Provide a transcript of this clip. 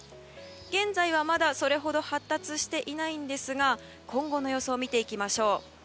現在はまだそれほど発達していないんですが今後の予想を見ていきましょう。